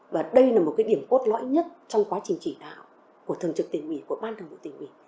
và đây là một cái điểm cốt lõi nhất trong quá trình chỉ đạo của thường trực tỉnh ủy của ban thường vụ tỉnh ủy